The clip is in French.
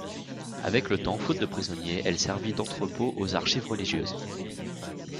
Avec le temps, faute de prisonniers, elle servit d'entrepôt aux archives religieuses.